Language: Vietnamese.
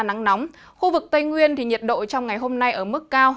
nắng nóng khu vực tây nguyên thì nhiệt độ trong ngày hôm nay ở mức cao